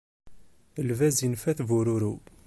Lbaz infa-t bururu.